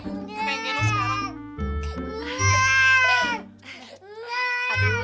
kakak yang geno sekarang